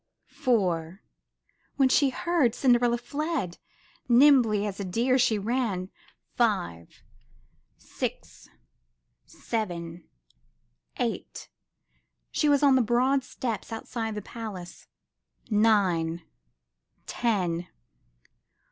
Four! When she heard, Cinderella fled. Nimbly as a deer she ran. Five! Six! Seven! Eight! She was on the broad steps outside the palace. Nine ! Ten !